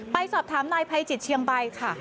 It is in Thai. ไปสอบถามนายภัยจิตเชียงใบค่ะ